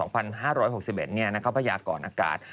พยากรอากาศ